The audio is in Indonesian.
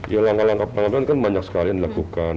ya langkah langkah pengaduan kan banyak sekali yang dilakukan